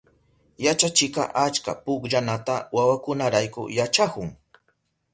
Yachachikka achka pukllanata wawakunarayku yachahun.